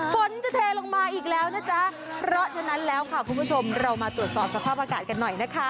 ฝนจะเทลงมาอีกแล้วนะจ๊ะเพราะฉะนั้นแล้วค่ะคุณผู้ชมเรามาตรวจสอบสภาพอากาศกันหน่อยนะคะ